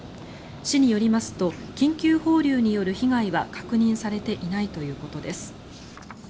市によりますと緊急放流による被害は確認されていないということです。